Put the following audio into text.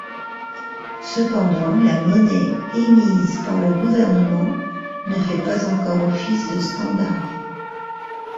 Cependant, la monnaie émise par le gouvernement ne fait pas encore office de standard.